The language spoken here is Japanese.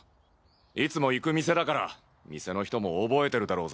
いつも行く店だから店の人も覚えてるだろうぜ。